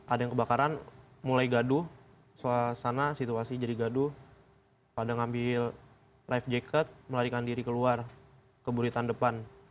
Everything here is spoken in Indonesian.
ada yang kebakaran mulai gaduh suasana situasi jadi gaduh pada ngambil life jacket melarikan diri keluar ke buritan depan